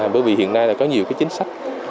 bởi vì hiện nay có nhiều chính sách